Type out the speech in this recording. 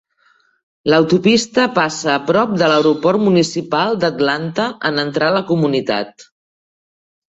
L'autopista passa a prop de l'aeroport municipal d'Atlanta en entrar a la comunitat.